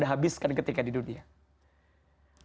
maka habiskan semua kesedihanmu di dunia ini